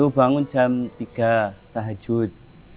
bangun jam tiga tahajud